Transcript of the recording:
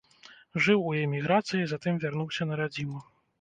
Жыў у эміграцыі, затым вярнуўся на радзіму.